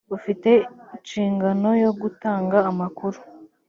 ufite nshingano yo gutanga amakuru .